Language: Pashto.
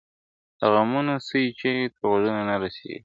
د غمونو سوي چیغي تر غوږونو نه رسیږي ..